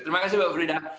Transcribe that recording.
terima kasih bu frida